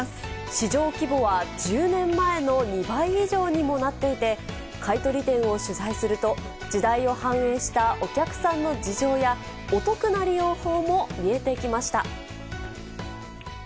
市場規模は１０年前の２倍以上にもなっていて、買い取り店を取材すると、時代を反映したお客さんの事情や、お得な利用法も見えてきました。